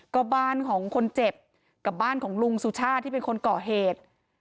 ก็บ้านของคนเจ็บกับบ้านของลุงสุชาติที่เป็นคนก่อเหตุ